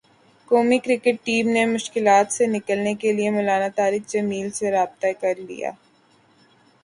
قومی cricket team نے مشکلات سے نکلنے کیلئے مولانا طارق جمیل سے رابطہ کرلیا